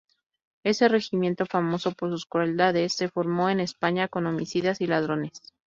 Ese regimiento, famoso por sus crueldades, se formó en España con Homicidas y Ladrones.